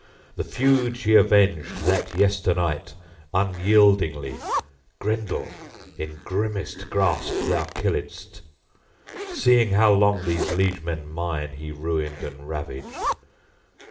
The feud she avenged that yesternight, unyieldingly, Grendel in grimmest grasp thou killedst, seeing how long these liegemen mine he ruined and ravaged.